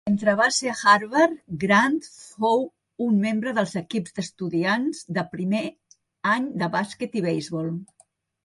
Mentre va ser a Harvard, Grant fou un membre dels equips d'estudiants de primer any de bàsquet i beisbol.